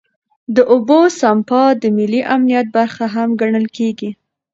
د اوبو سپما د ملي امنیت برخه هم ګڼل کېږي.